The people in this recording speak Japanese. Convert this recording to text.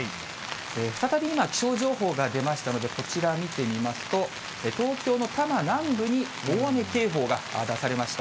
再び今、気象情報が出ましたので、こちら見てみますと、東京の多摩南部に大雨警報が出されました。